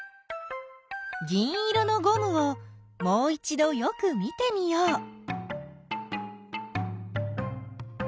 銀色のゴムをもういちどよく見てみよう。